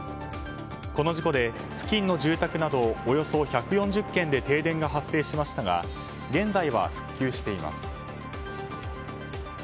この事故で付近の住宅などおよそ１４０軒で停電が発生しましたが現在は復旧しています。